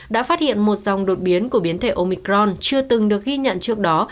đã phát hiện một dòng đột biến của biến thể omicron chưa từng được ghi nhận trước đó